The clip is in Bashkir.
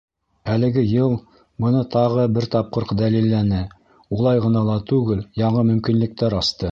Әлеге йыл быны тағы бер тапҡыр дәлилләне, улай ғына ла түгел, яңы мөмкинлектәр асты.